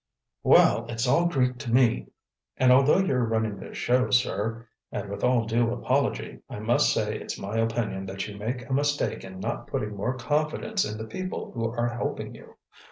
"Well, it's all Greek to me. And although you're running this show, sir, and with all due apology, I must say it's my opinion that you make a mistake in not putting more confidence in the people who are helping you.